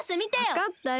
わかったよ。